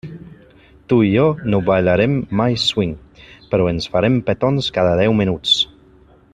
Tu i jo no ballarem mai swing, però ens farem petons cada deu minuts.